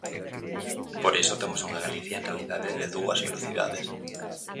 Por iso temos unha Galicia en realidade de dúas velocidades.